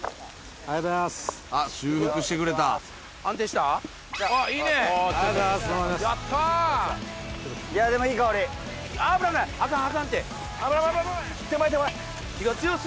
ありがとうございます。